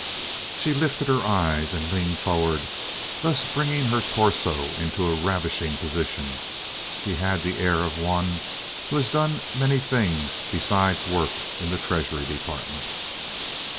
She lifted her eyes and leaned forward, thus bringing her torso into a ravishing position. She had the air of one who has done many things besides work in the Treasury Department.